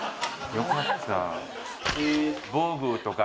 良かった。